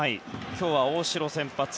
今日は大城が先発。